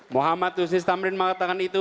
muhammad husses tamrin mengatakan itu